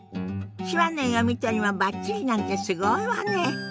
手話の読み取りもバッチリなんてすごいわね。